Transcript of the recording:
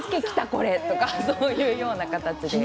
これとかそういうような形で。